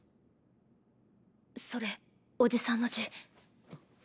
それおじさんの字。